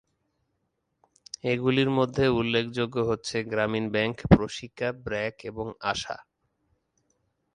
এগুলির মধ্যে উল্লেখযোগ্য হচ্ছে গ্রামীণ ব্যাংক, প্রশিকা, ব্র্যাক, এবং আশা।